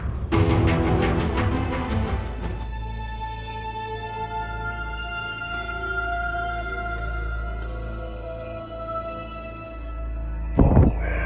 rasa setuju dengan penandaan